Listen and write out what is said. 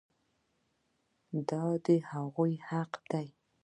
دا د هغوی حق دی.